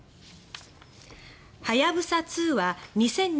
はやぶさ２は２０２０年